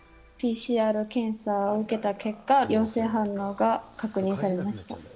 ＰＣＲ検査を受けた結果、陽性反応が確認されました。